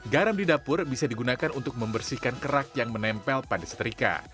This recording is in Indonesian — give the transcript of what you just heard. garam di dapur bisa digunakan untuk membersihkan kerak yang menempel pada seterika